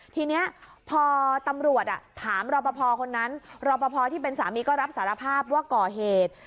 ทีนี้พอตำรวจถามรอปภคนนั้นรอปภที่เป็นสามีก็รับสารภาพว่าก่อเหตุ